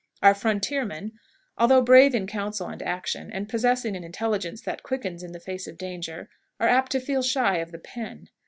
Our frontier men, although brave in council and action, and possessing an intelligence that quickens in the face of danger, are apt to feel shy of the pen.